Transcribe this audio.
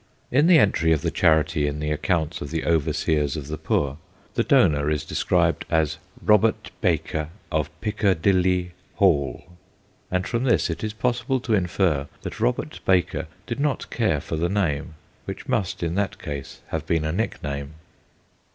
In the entry of the charity in the accounts of the Overseers of the Poor, the donor is described as ' Robte Baeker of Pickadilley Hall/ and from this it is possible to infer that Robert Baker did not care for the name, which must in that case have been a nickname.